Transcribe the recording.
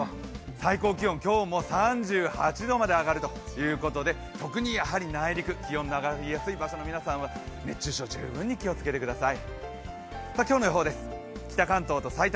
最高気温今日も３８度まで上がるということで特に内陸、気温の上がりやすい場所の皆さんは熱中症、十分に気をつけてください